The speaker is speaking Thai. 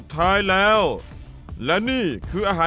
แต่ว่า